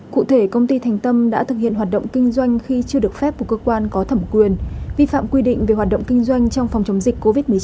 cụ thể công ty thành tâm đã thực hiện hoạt động kinh doanh khi chưa được phép của cơ quan có thẩm quyền vi phạm quy định về hoạt động kinh doanh trong phòng chống dịch covid một mươi chín